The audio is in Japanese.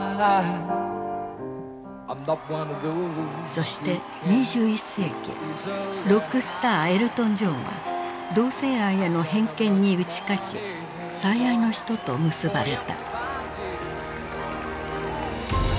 そして２１世紀ロックスターエルトン・ジョンは同性愛への偏見に打ち勝ち最愛の人と結ばれた。